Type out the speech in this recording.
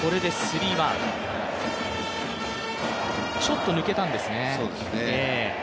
ちょっと抜けたんですね。